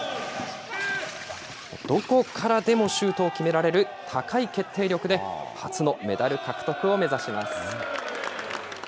どこからでもシュートを決められる高い決定力で、初のメダル獲得を目指します。